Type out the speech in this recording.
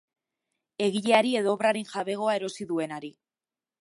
Egileari edo obraren jabegoa erosi duenari.